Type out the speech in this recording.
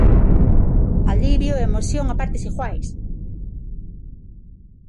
Alivio e emoción a partes iguais.